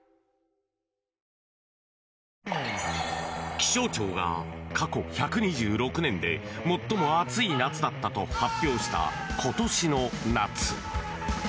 気象庁が、過去１２６年で最も暑い夏だったと発表した今年の夏。